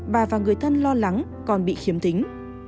bà và người thân lo lắng con bị khiếm tính